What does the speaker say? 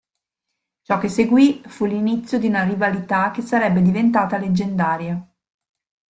Ciò che seguì, fu l'inizio di una rivalità che sarebbe diventata leggendaria.